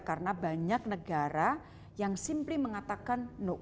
karena banyak negara yang simply mengatakan no